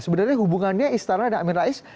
sebenarnya hubungannya istana dan amin rais